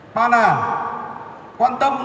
ba là quan tâm